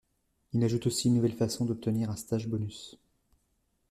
Il ajoute aussi une nouvelle façon d'obtenir un stage bonus.